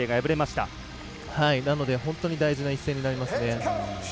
なので、本当に大事な一戦になりますね。